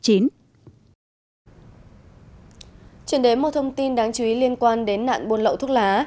chuyển đến một thông tin đáng chú ý liên quan đến nạn buôn lậu thuốc lá